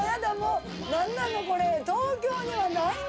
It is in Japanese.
何なの？